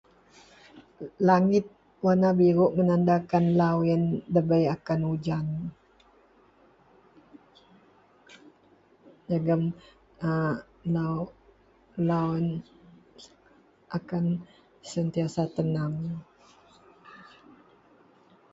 Langit warena biruk menandakan lau yen ndabei akan ujan jegem a lau, lau akan sentiasa tenang.